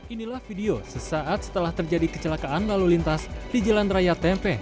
inilah video sesaat setelah terjadi kecelakaan lalu lintas di jalan raya tempe